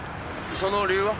その理由は？